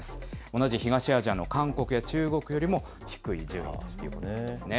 同じ東アジアの韓国や中国よりも低い順位ということなんですね。